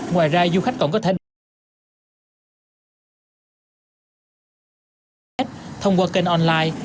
ngoài ra du khách còn có thể đăng ký kênh của tp hcm thông qua kênh online